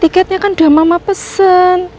tiketnya kan udah mama pesen